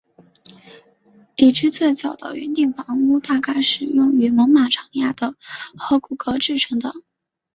已知最早的圆顶房屋大概是用猛犸的长牙和骨骼制成的。